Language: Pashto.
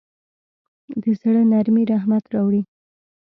د زړه نرمي رحمت راوړي.